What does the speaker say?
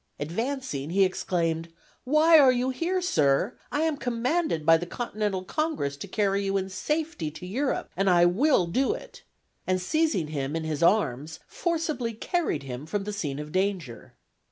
Advancing, he exclaimed, 'Why are you here, sir? I am commanded by the Continental Congress to carry you in safety to Europe, and I will do it;' and, seizing him in his arms, forcibly carried him from the scene of danger."